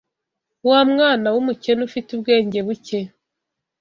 wa mwana w'umukene ufite ubwenge buke!